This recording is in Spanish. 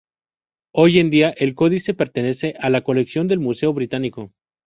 Hoy en día el códice pertenece a la colección del Museo Británico.